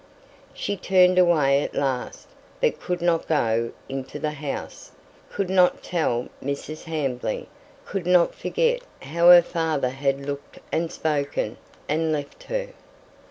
She turned away at last, but could not go into the house, could not tell Mrs. Hamley, could not forget how her father had looked and spoken and left her.